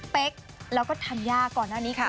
เป๊กแล้วก็ธัญญาก่อนหน้านี้ค่ะ